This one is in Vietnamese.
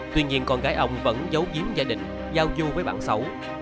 tuy nhiên con gái ông vẫn giấu giếm gia đình giao du với bạn xấu